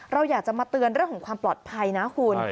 เราอยากจะมาเตือนเรื่องของความปลอดภัยนะคุณ